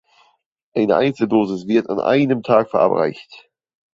Eine Einzeldosis wird an einem Tag verabreicht.